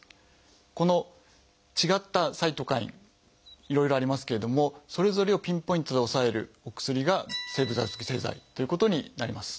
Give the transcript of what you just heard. この違ったサイトカインいろいろありますけれどもそれぞれをピンポイントで抑えるお薬が生物学的製剤ということになります。